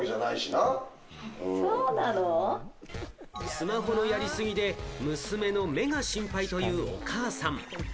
スマホのやりすぎで、娘の目が心配というお母さん。